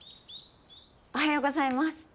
おはようございます。